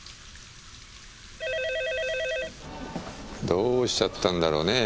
どうしちゃったんだろうねぇ